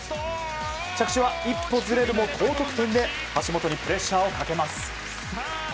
着地は１歩ずれるも高得点で橋本にプレッシャーをかけます。